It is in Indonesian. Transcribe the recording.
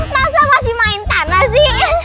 masa masih main tanah sih